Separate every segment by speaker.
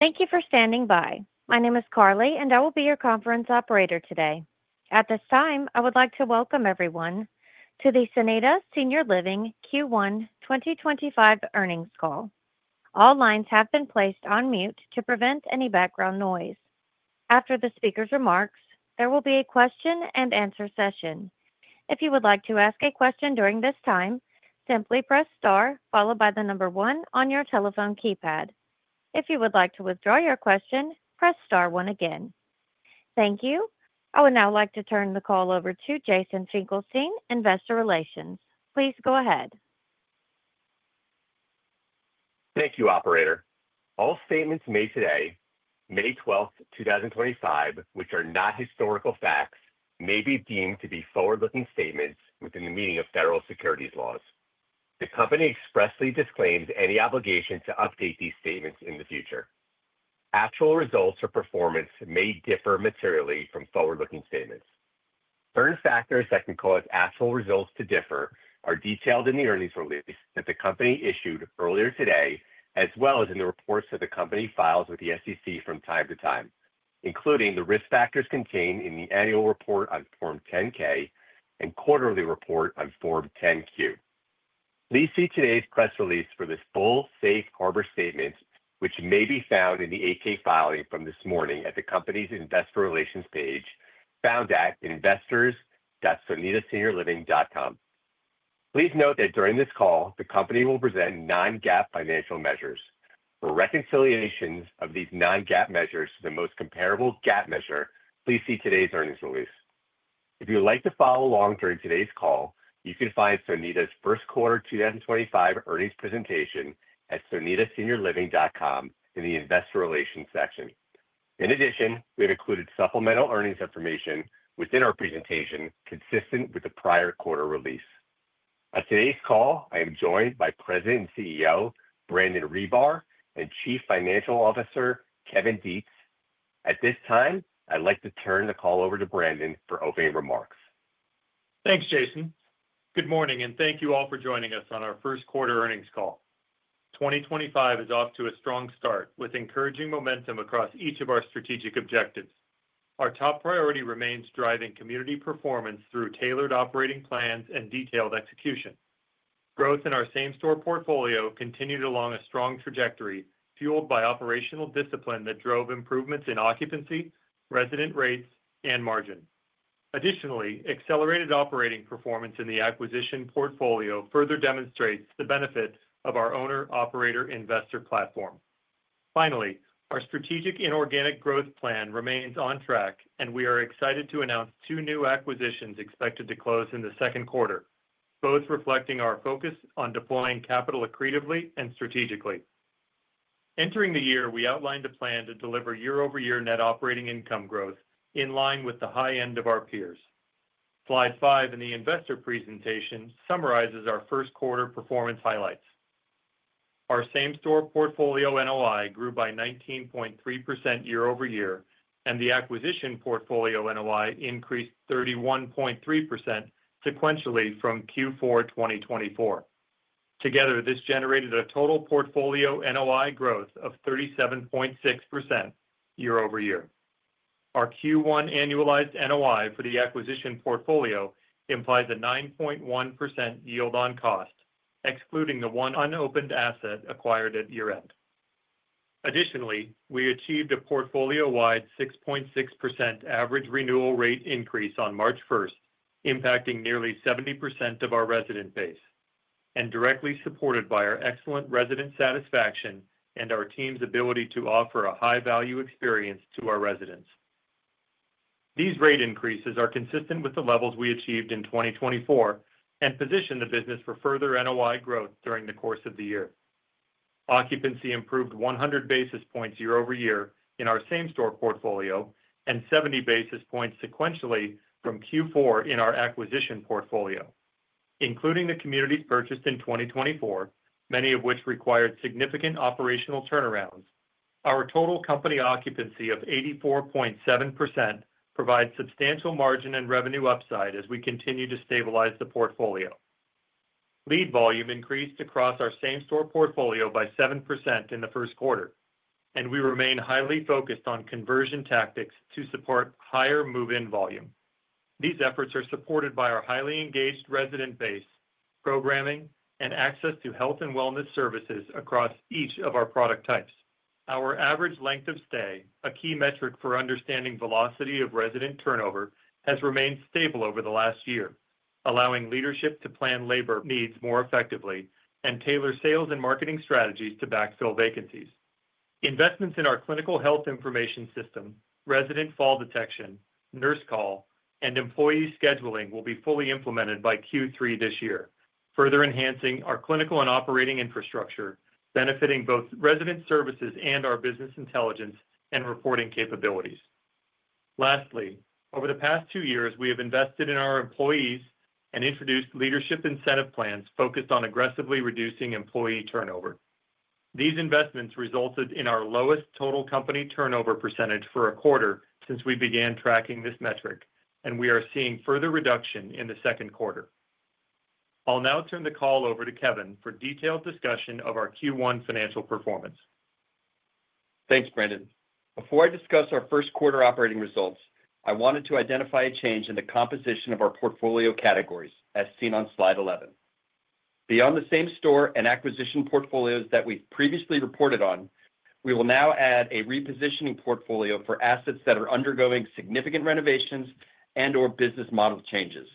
Speaker 1: Thank you for standing by. My name is Carly, and I will be your conference operator today. At this time, I would like to welcome everyone to the Sonida Senior Living Q1 2025 earnings call. All lines have been placed on mute to prevent any background noise. After the speaker's remarks, there will be a question and answer session. If you would like to ask a question during this time, simply press star followed by the number one on your telephone keypad. If you would like to withdraw your question, press star one again. Thank you. I would now like to turn the call over to Jason Finkelstein, Investor Relations. Please go ahead.
Speaker 2: Thank you, Operator. All statements made today, May 12th, 2025, which are not historical facts, may be deemed to be forward-looking statements within the meaning of federal securities laws. The company expressly disclaims any obligation to update these statements in the future. Actual results or performance may differ materially from forward-looking statements. Certain factors that can cause actual results to differ are detailed in the earnings release that the company issued earlier today, as well as in the reports that the company files with the SEC from time to time, including the risk factors contained in the annual report on Form 10-K and quarterly report on Form 10-Q. Please see today's press release for this full Safe Harbor statement, which may be found in the 8-K filing from this morning at the company's Investor Relations page, found at investors.sonidaseniorliving.com. Please note that during this call, the company will present non-GAAP financial measures. For reconciliations of these non-GAAP measures to the most comparable GAAP measure, please see today's earnings release. If you would like to follow along during today's call, you can find Sonida's first quarter 2025 earnings presentation at sonidaseniorliving.com in the Investor Relations section. In addition, we have included supplemental earnings information within our presentation consistent with the prior quarter release. At today's call, I am joined by President and CEO Brandon Rebar and Chief Financial Officer Kevin Detz. At this time, I'd like to turn the call over to Brandon for opening remarks.
Speaker 3: Thanks, Jason. Good morning, and thank you all for joining us on our first quarter earnings call. 2025 is off to a strong start with encouraging momentum across each of our strategic objectives. Our top priority remains driving community performance through tailored operating plans and detailed execution. Growth in our same-store portfolio continued along a strong trajectory fueled by operational discipline that drove improvements in occupancy, resident rates, and margin. Additionally, accelerated operating performance in the acquisition portfolio further demonstrates the benefit of our owner, operator, investor platform. Finally, our strategic inorganic growth plan remains on track, and we are excited to announce two new acquisitions expected to close in the second quarter, both reflecting our focus on deploying capital accretively and strategically. Entering the year, we outlined a plan to deliver year-over-year net operating income growth in line with the high end of our peers. Slide five in the investor presentation summarizes our first quarter performance highlights. Our same-store portfolio NOI grew by 19.3% year-over-year, and the acquisition portfolio NOI increased 31.3% sequentially from Q4 2024. Together, this generated a total portfolio NOI growth of 37.6% year-over-year. Our Q1 annualized NOI for the acquisition portfolio implies a 9.1% yield on cost, excluding the one unopened asset acquired at year-end. Additionally, we achieved a portfolio-wide 6.6% average renewal rate increase on March 1, impacting nearly 70% of our resident base, and directly supported by our excellent resident satisfaction and our team's ability to offer a high-value experience to our residents. These rate increases are consistent with the levels we achieved in 2024 and position the business for further NOI growth during the course of the year. Occupancy improved 100 basis points year-over-year in our same-store portfolio and 70 basis points sequentially from Q4 in our acquisition portfolio. Including the communities purchased in 2024, many of which required significant operational turnarounds, our total company occupancy of 84.7% provides substantial margin and revenue upside as we continue to stabilize the portfolio. Lead volume increased across our same-store portfolio by 7% in the first quarter, and we remain highly focused on conversion tactics to support higher move-in volume. These efforts are supported by our highly engaged resident base, programming, and access to health and wellness services across each of our product types. Our average length of stay, a key metric for understanding velocity of resident turnover, has remained stable over the last year, allowing leadership to plan labor needs more effectively and tailor sales and marketing strategies to backfill vacancies. Investments in our clinical health information system, resident fall detection, nurse call, and employee scheduling will be fully implemented by Q3 this year, further enhancing our clinical and operating infrastructure, benefiting both resident services and our business intelligence and reporting capabilities. Lastly, over the past two years, we have invested in our employees and introduced leadership incentive plans focused on aggressively reducing employee turnover. These investments resulted in our lowest total company turnover % for a quarter since we began tracking this metric, and we are seeing further reduction in the second quarter. I'll now turn the call over to Kevin for detailed discussion of our Q1 financial performance.
Speaker 4: Thanks, Brandon. Before I discuss our first quarter operating results, I wanted to identify a change in the composition of our portfolio categories, as seen on slide 11. Beyond the same store and acquisition portfolios that we've previously reported on, we will now add a repositioning portfolio for assets that are undergoing significant renovations and/or business model changes.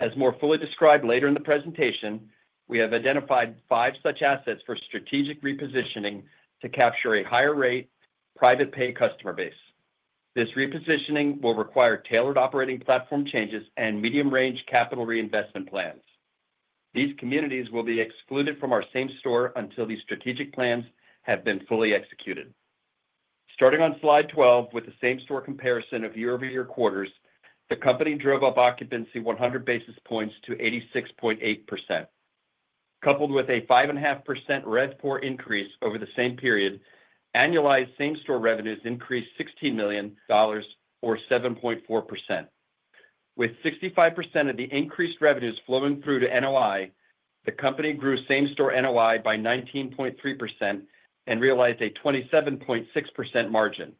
Speaker 4: As more fully described later in the presentation, we have identified five such assets for strategic repositioning to capture a higher-rate private-pay customer base. This repositioning will require tailored operating platform changes and medium-range capital reinvestment plans. These communities will be excluded from our same store until these strategic plans have been fully executed. Starting on slide 12 with the same-store comparison of year-over-year quarters, the company drove up occupancy 100 basis points to 86.8%. Coupled with a 5.5% REVPOR increase over the same period, annualized same-store revenues increased $16 million, or 7.4%. With 65% of the increased revenues flowing through to NOI, the company grew same-store NOI by 19.3% and realized a 27.6% margin,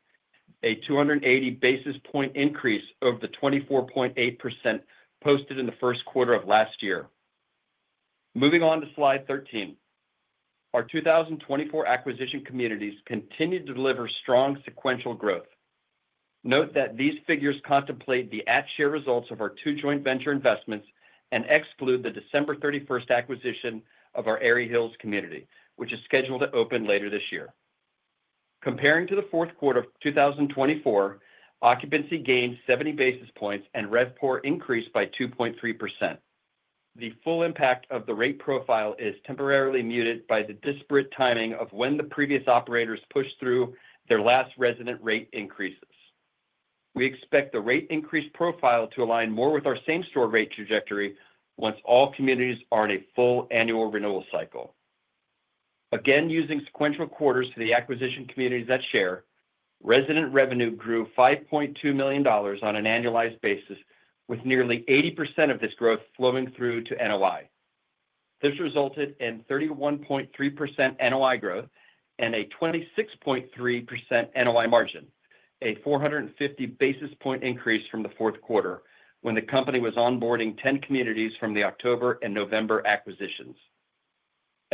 Speaker 4: a 280 basis point increase over the 24.8% posted in the first quarter of last year. Moving on to slide 13, our 2024 acquisition communities continue to deliver strong sequential growth. Note that these figures contemplate the at-share results of our two joint venture investments and exclude the December 31 acquisition of our Erie Hills community, which is scheduled to open later this year. Comparing to the fourth quarter of 2024, occupancy gained 70 basis points and REVPOR increased by 2.3%. The full impact of the rate profile is temporarily muted by the disparate timing of when the previous operators pushed through their last resident rate increases. We expect the rate increase profile to align more with our same-store rate trajectory once all communities are in a full annual renewal cycle. Again, using sequential quarters for the acquisition communities at share, resident revenue grew $5.2 million on an annualized basis, with nearly 80% of this growth flowing through to NOI. This resulted in 31.3% NOI growth and a 26.3% NOI margin, a 450 basis point increase from the fourth quarter when the company was onboarding 10 communities from the October and November acquisitions.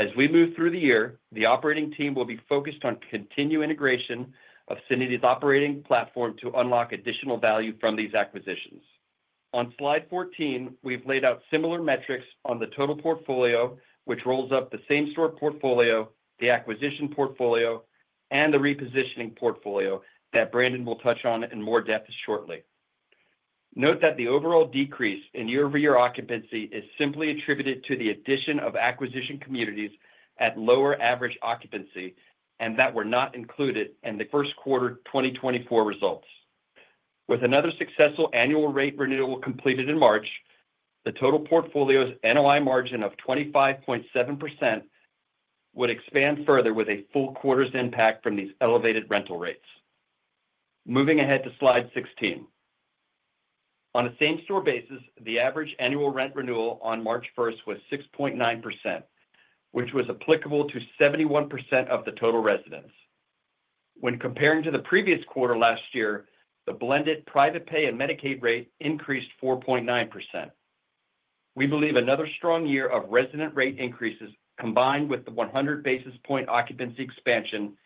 Speaker 4: As we move through the year, the operating team will be focused on continued integration of Sonida's operating platform to unlock additional value from these acquisitions. On slide 14, we have laid out similar metrics on the total portfolio, which rolls up the same-store portfolio, the acquisition portfolio, and the repositioning portfolio that Brandon will touch on in more depth shortly. Note that the overall decrease in year-over-year occupancy is simply attributed to the addition of acquisition communities at lower average occupancy and that were not included in the first quarter 2024 results. With another successful annual rate renewal completed in March, the total portfolio's NOI margin of 25.7% would expand further with a full quarter's impact from these elevated rental rates. Moving ahead to slide 16. On a same-store basis, the average annual rent renewal on March 1st was 6.9%, which was applicable to 71% of the total residents. When comparing to the previous quarter last year, the blended private-pay and Medicaid rate increased 4.9%. We believe another strong year of resident rate increases combined with the 100 basis point occupancy expansion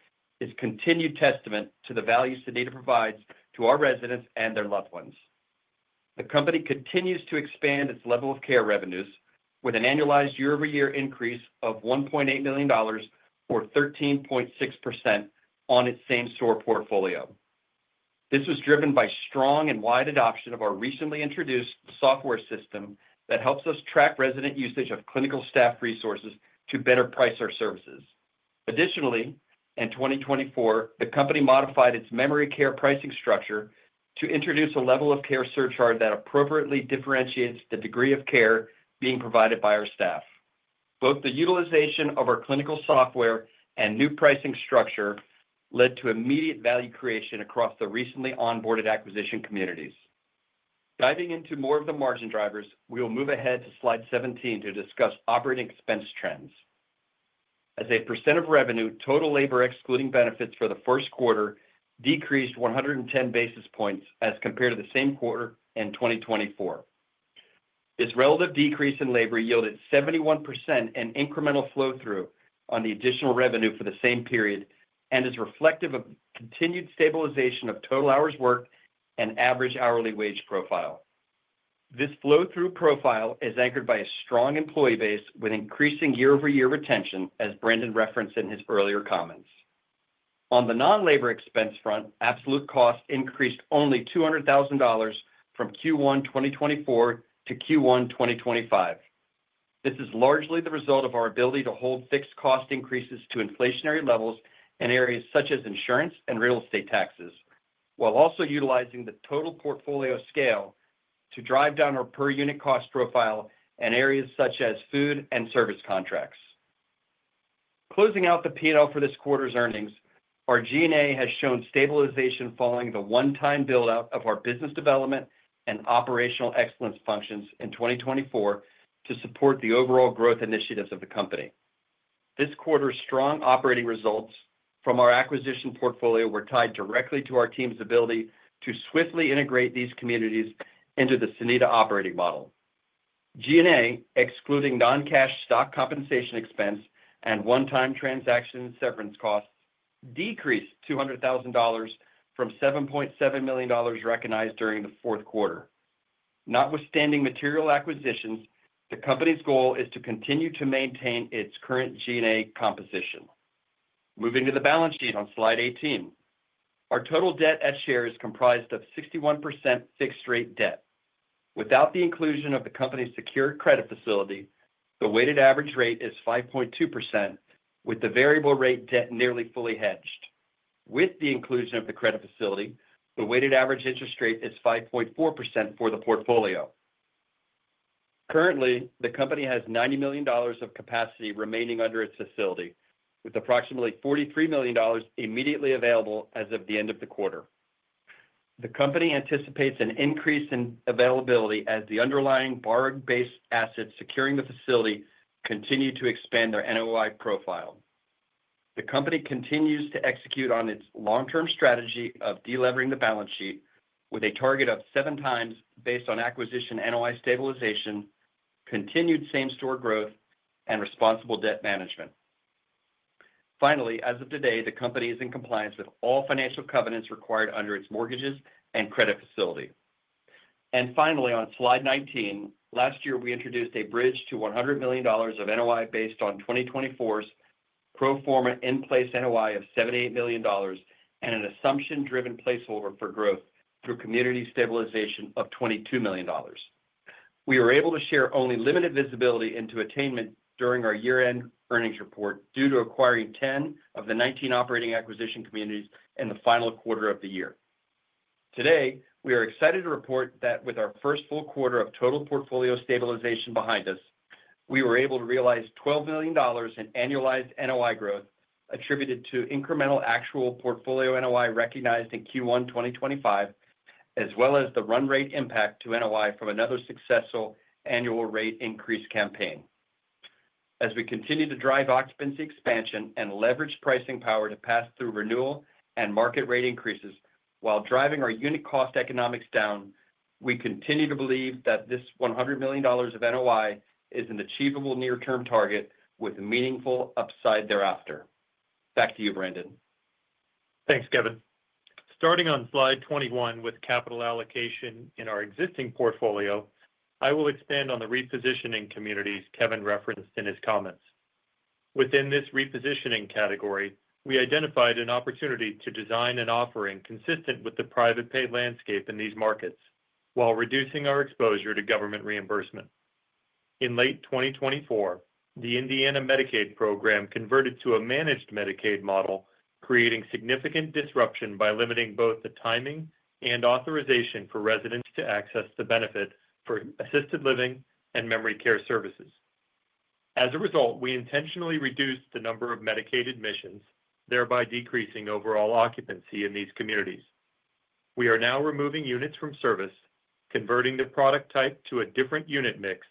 Speaker 4: is continued testament to the value Sonida provides to our residents and their loved ones. The company continues to expand its level of care revenues with an annualized year-over-year increase of $1.8 million, or 13.6%, on its same-store portfolio. This was driven by strong and wide adoption of our recently introduced software system that helps us track resident usage of clinical staff resources to better price our services. Additionally, in 2024, the company modified its memory care pricing structure to introduce a level of care surcharge that appropriately differentiates the degree of care being provided by our staff. Both the utilization of our clinical software and new pricing structure led to immediate value creation across the recently onboarded acquisition communities. Diving into more of the margin drivers, we will move ahead to slide 17 to discuss operating expense trends. As a percent of revenue, total labor excluding benefits for the first quarter decreased 110 basis points as compared to the same quarter in 2024. This relative decrease in labor yielded 71% in incremental flow-through on the additional revenue for the same period and is reflective of continued stabilization of total hours worked and average hourly wage profile. This flow-through profile is anchored by a strong employee base with increasing year-over-year retention, as Brandon referenced in his earlier comments. On the non-labor expense front, absolute cost increased only $200,000 from Q1 2024 to Q1 2025. This is largely the result of our ability to hold fixed cost increases to inflationary levels in areas such as insurance and real estate taxes, while also utilizing the total portfolio scale to drive down our per-unit cost profile in areas such as food and service contracts. Closing out the P&L for this quarter's earnings, our G&A has shown stabilization following the one-time build-out of our business development and operational excellence functions in 2024 to support the overall growth initiatives of the company. This quarter's strong operating results from our acquisition portfolio were tied directly to our team's ability to swiftly integrate these communities into the Sonida operating model. G&A, excluding non-cash stock compensation expense and one-time transaction severance costs, decreased $200,000 from $7.7 million recognized during the fourth quarter. Notwithstanding material acquisitions, the company's goal is to continue to maintain its current G&A composition. Moving to the balance sheet on slide 18. Our total debt at share is comprised of 61% fixed-rate debt. Without the inclusion of the company's secured credit facility, the weighted average rate is 5.2%, with the variable rate debt nearly fully hedged. With the inclusion of the credit facility, the weighted average interest rate is 5.4% for the portfolio. Currently, the company has $90 million of capacity remaining under its facility, with approximately $43 million immediately available as of the end of the quarter. The company anticipates an increase in availability as the underlying borrowed-based assets securing the facility continue to expand their NOI profile. The company continues to execute on its long-term strategy of delivering the balance sheet with a target of seven times based on acquisition NOI stabilization, continued same-store growth, and responsible debt management. Finally, as of today, the company is in compliance with all financial covenants required under its mortgages and credit facility. Finally, on slide 19, last year, we introduced a bridge to $100 million of NOI based on 2024's pro forma in-place NOI of $78 million and an assumption-driven placeholder for growth through community stabilization of $22 million. We were able to share only limited visibility into attainment during our year-end earnings report due to acquiring 10 of the 19 operating acquisition communities in the final quarter of the year. Today, we are excited to report that with our first full quarter of total portfolio stabilization behind us, we were able to realize $12 million in annualized NOI growth attributed to incremental actual portfolio NOI recognized in Q1 2025, as well as the run rate impact to NOI from another successful annual rate increase campaign. Kevin Detz - Chief Financial Officer As a result, we intentionally reduced the number of Medicaid admissions, thereby decreasing overall occupancy in these communities. We are now removing units from service, converting the product type to a different unit mix,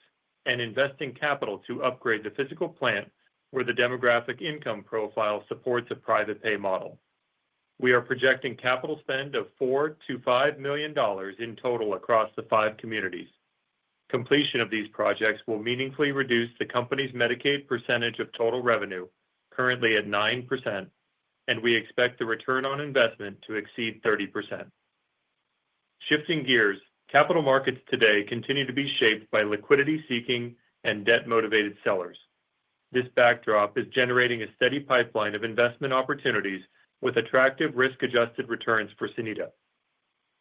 Speaker 4: and investing capital to upgrade the physical plant where the demographic income profile supports a private-pay model. We are projecting capital spend of $4-$5 million in total across the five communities. Completion of these projects will meaningfully reduce the company's Medicaid percentage of total revenue, currently at 9%, and we expect the return on investment to exceed 30%. Shifting gears, capital markets today continue to be shaped by liquidity-seeking and debt-motivated sellers. This backdrop is generating a steady pipeline of investment opportunities with attractive risk-adjusted returns for Sonida.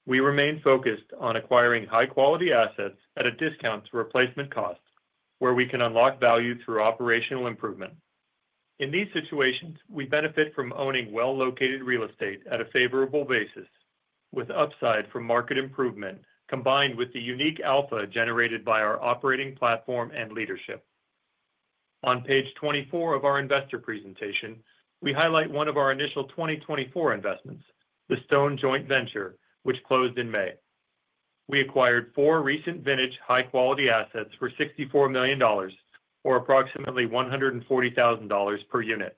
Speaker 4: We remain focused on acquiring high-quality assets at a discount to replacement cost, where we can unlock value through operational improvement. In these situations, we benefit from owning well-located real estate at a favorable basis, with upside from market improvement combined with the unique alpha generated by our operating platform and leadership. On page 24 of our investor presentation, we highlight one of our initial 2024 investments, the Stone Joint Venture, which closed in May. We acquired four recent vintage high-quality assets for $64 million, or approximately $140,000 per unit.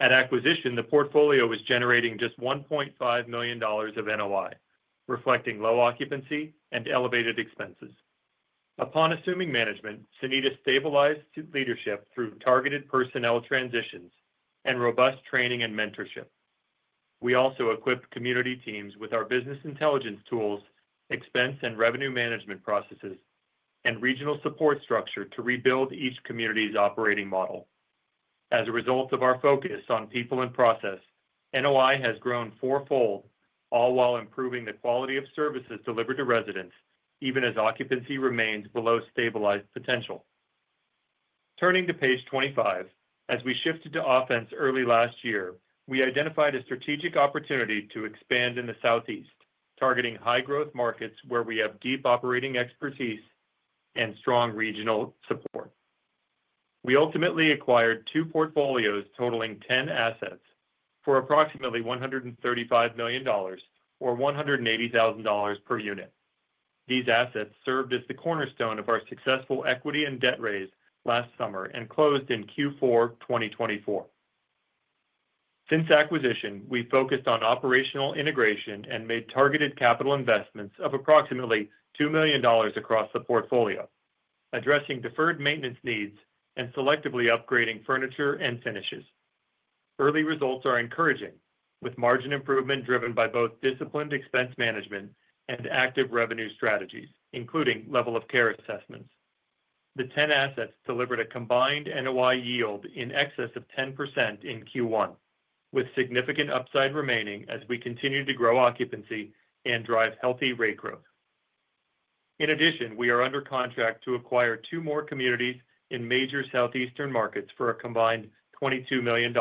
Speaker 4: At acquisition, the portfolio was generating just $1.5 million of NOI, reflecting low occupancy and elevated expenses. Upon assuming management, Sonida stabilized leadership through targeted personnel transitions and robust training and mentorship. We also equipped community teams with our business intelligence tools, expense and revenue management processes, and regional support structure to rebuild each community's operating model. As a result of our focus on people and process, NOI has grown four-fold, all while improving the quality of services delivered to residents, even as occupancy remains below stabilized potential. Turning to page 25, as we shifted to offense early last year, we identified a strategic opportunity to expand in the Southeast, targeting high-growth markets where we have deep operating expertise and strong regional support. We ultimately acquired two portfolios totaling 10 assets for approximately $135 million, or $180,000 per unit. These assets served as the cornerstone of our successful equity and debt raise last summer and closed in Q4 2024. Since acquisition, we focused on operational integration and made targeted capital investments of approximately $2 million across the portfolio, addressing deferred maintenance needs and selectively upgrading furniture and finishes. Early results are encouraging, with margin improvement driven by both disciplined expense management and active revenue strategies, including level of care assessments. The 10 assets delivered a combined NOI yield in excess of 10% in Q1, with significant upside remaining as we continue to grow occupancy and drive healthy rate growth. In addition, we are under contract to acquire two more communities in major Southeastern markets for a combined $22 million,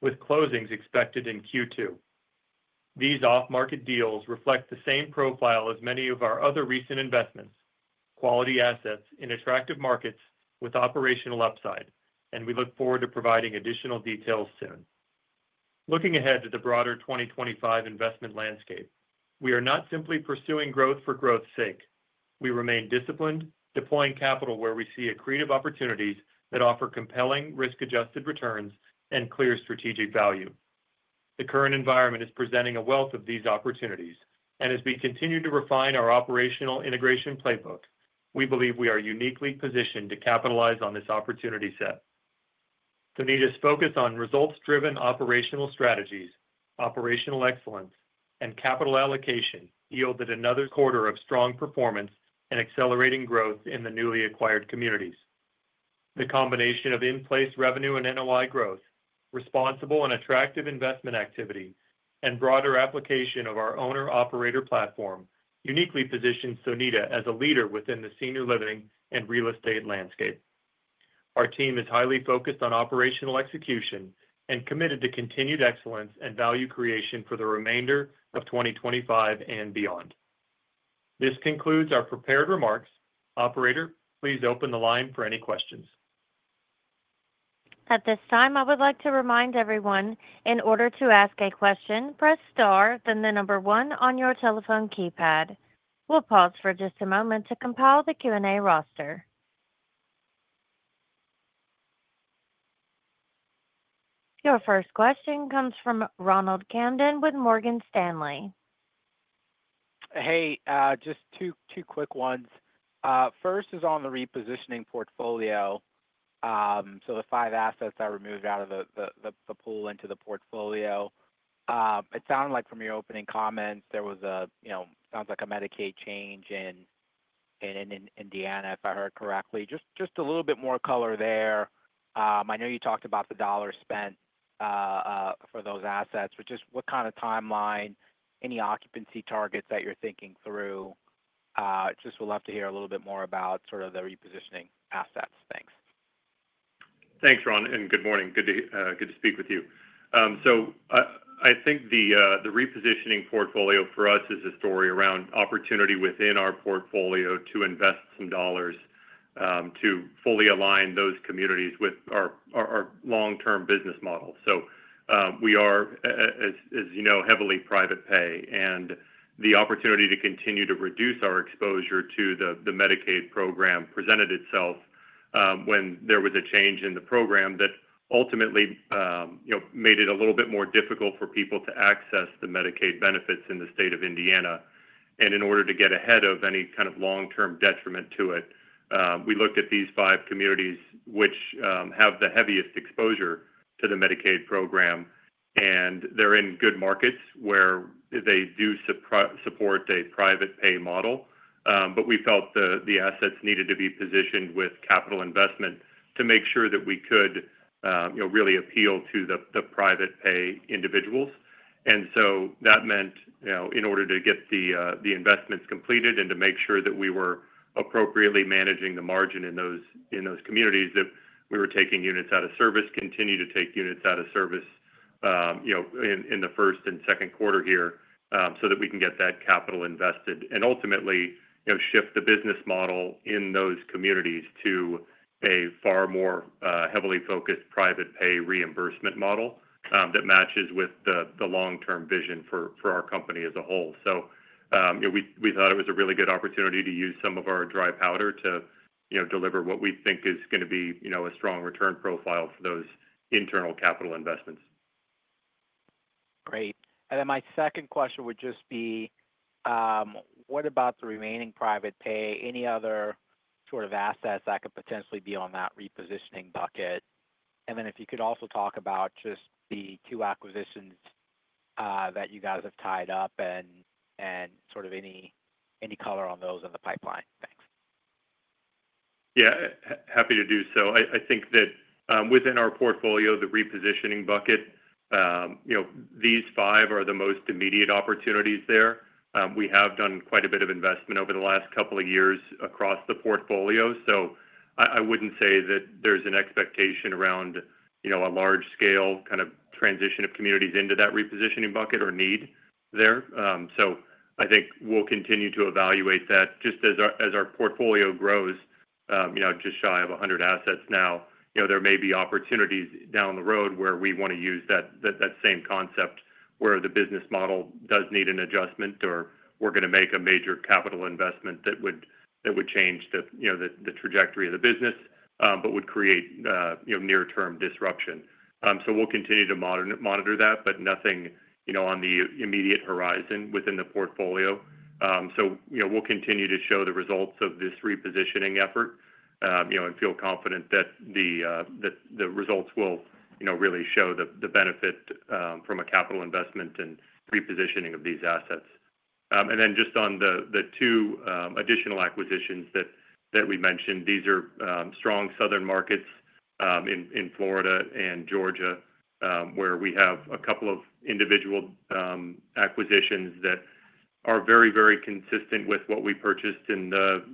Speaker 4: with closings expected in Q2. These off-market deals reflect the same profile as many of our other recent investments: quality assets in attractive markets with operational upside, and we look forward to providing additional details soon. Looking ahead to the broader 2025 investment landscape, we are not simply pursuing growth for growth's sake. We remain disciplined, deploying capital where we see accretive opportunities that offer compelling risk-adjusted returns and clear strategic value. The current environment is presenting a wealth of these opportunities, and as we continue to refine our operational integration playbook, we believe we are uniquely positioned to capitalize on this opportunity set. Sonida's focus on results-driven operational strategies, operational excellence, and capital allocation yielded another quarter of strong performance and accelerating growth in the newly acquired communities. The combination of in-place revenue and NOI growth, responsible and attractive investment activity, and broader application of our owner-operator platform uniquely positions Sonida as a leader within the senior living and real estate landscape. Our team is highly focused on operational execution and committed to continued excellence and value creation for the remainder of 2025 and beyond. This concludes our prepared remarks. Operator, please open the line for any questions.
Speaker 1: At this time, I would like to remind everyone, in order to ask a question, press star, then the number one on your telephone keypad. We'll pause for just a moment to compile the Q&A roster. Your first question comes from Ronald Camden with Morgan Stanley.
Speaker 5: Hey, just two quick ones. First is on the repositioning portfolio. The five assets that were moved out of the pool into the portfolio. It sounded like from your opening comments, there was a, you know, sounds like a Medicaid change in Indiana, if I heard correctly. Just a little bit more color there. I know you talked about the dollar spent for those assets, but just what kind of timeline, any occupancy targets that you're thinking through? Just would love to hear a little bit more about sort of the repositioning assets. Thanks.
Speaker 3: Thanks, Ron, and good morning. Good to speak with you. I think the repositioning portfolio for us is a story around opportunity within our portfolio to invest some dollars to fully align those communities with our long-term business model. We are, as you know, heavily private-pay, and the opportunity to continue to reduce our exposure to the Medicaid program presented itself when there was a change in the program that ultimately, you know, made it a little bit more difficult for people to access the Medicaid benefits in the state of Indiana. In order to get ahead of any kind of long-term detriment to it, we looked at these five communities, which have the heaviest exposure to the Medicaid program, and they're in good markets where they do support a private-pay model. We felt the assets needed to be positioned with capital investment to make sure that we could, you know, really appeal to the private-pay individuals. That meant, you know, in order to get the investments completed and to make sure that we were appropriately managing the margin in those communities, that we were taking units out of service, continue to take units out of service, you know, in the first and second quarter here so that we can get that capital invested and ultimately, you know, shift the business model in those communities to a far more heavily focused private-pay reimbursement model that matches with the long-term vision for our company as a whole. You know, we thought it was a really good opportunity to use some of our dry powder to, you know, deliver what we think is going to be, you know, a strong return profile for those internal capital investments.
Speaker 5: Great. My second question would just be, what about the remaining private-pay? Any other sort of assets that could potentially be on that repositioning bucket? If you could also talk about just the two acquisitions that you guys have tied up and sort of any color on those in the pipeline. Thanks.
Speaker 3: Yeah, happy to do so. I think that within our portfolio, the repositioning bucket, you know, these five are the most immediate opportunities there. We have done quite a bit of investment over the last couple of years across the portfolio. I wouldn't say that there's an expectation around, you know, a large-scale kind of transition of communities into that repositioning bucket or need there. I think we'll continue to evaluate that. Just as our portfolio grows, you know, just shy of 100 assets now, you know, there may be opportunities down the road where we want to use that same concept where the business model does need an adjustment or we're going to make a major capital investment that would change the trajectory of the business, but would create, you know, near-term disruption. We'll continue to monitor that, but nothing, you know, on the immediate horizon within the portfolio. We'll continue to show the results of this repositioning effort, you know, and feel confident that the results will, you know, really show the benefit from a capital investment and repositioning of these assets. Just on the two additional acquisitions that we mentioned, these are strong southern markets in Florida and Georgia, where we have a couple of individual acquisitions that are very, very consistent with what we purchased in the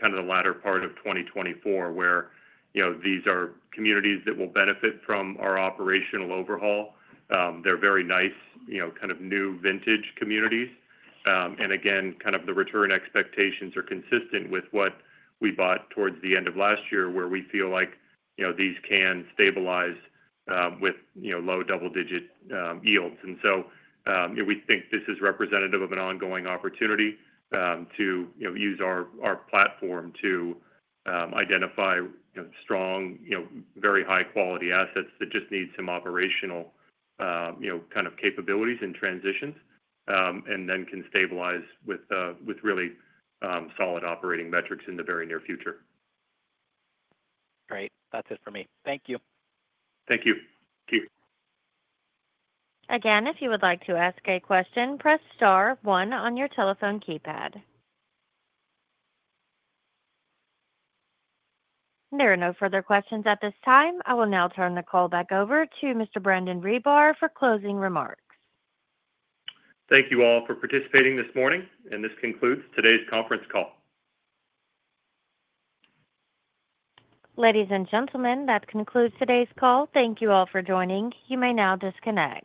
Speaker 3: kind of the latter part of 2024, where, you know, these are communities that will benefit from our operational overhaul. They're very nice, you know, kind of new vintage communities. Again, kind of the return expectations are consistent with what we bought towards the end of last year, where we feel like, you know, these can stabilize with, you know, low double-digit yields. We think this is representative of an ongoing opportunity to, you know, use our platform to identify, you know, strong, you know, very high-quality assets that just need some operational, you know, kind of capabilities and transitions, and then can stabilize with really solid operating metrics in the very near future.
Speaker 5: Great. That's it for me. Thank you.
Speaker 3: Thank you. Keep.
Speaker 1: Again, if you would like to ask a question, press star one on your telephone keypad. There are no further questions at this time. I will now turn the call back over to Mr. Brandon Rebar for closing remarks.
Speaker 3: Thank you all for participating this morning, and this concludes today's conference call.
Speaker 1: Ladies and gentlemen, that concludes today's call. Thank you all for joining. You may now disconnect.